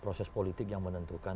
proses politik yang menentukan